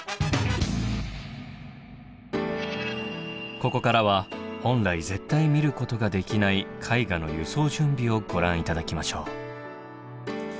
ここからは本来絶対見ることができない絵画の輸送準備をご覧頂きましょう。